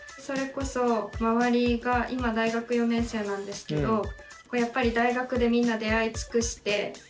それこそ周りが今大学４年生なんですけどやっぱり大学でみんな出会い尽くして。